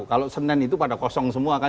kalau senin itu pada kosong semua kan